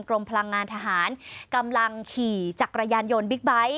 กรมพลังงานทหารกำลังขี่จักรยานยนต์บิ๊กไบท์